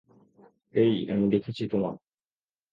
অ্যাই, আমি দেখেছি তোমাকে।